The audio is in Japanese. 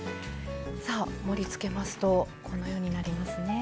さあ盛りつけますとこのようになりますね。